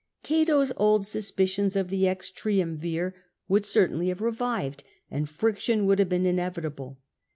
Cato^s old suspicions of the ex triumvir would certainly have revived, and friction would have been inevitable.